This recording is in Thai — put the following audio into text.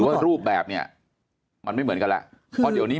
เพราะอาชญากรเขาต้องปล่อยเงิน